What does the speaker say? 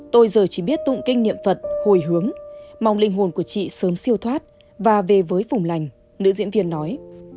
tôi giờ chỉ biết tụng kinh niệm phật hồi hướng mong linh hồn của chị sớm siêu thoát và về với phùng lành nữ diễn viên nói